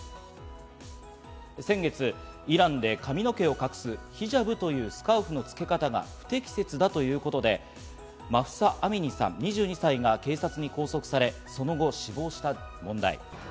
先月、イランで髪の毛を隠す、ヒジャブというスカーフの付け方が不適切だということで、マフサ・アミニさん、２２歳が警察に拘束され、その後、死亡した問題。